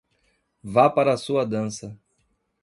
Vá para a sua dança!